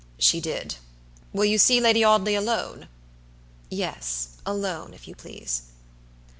"She did. Will you see Lady Audley alone?" "Yes, alone, if you please."